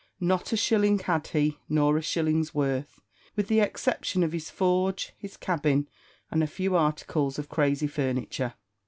Not a shilling had he, nor a shilling's worth, with the exception of his forge, his cabin, and a few articles of crazy furniture.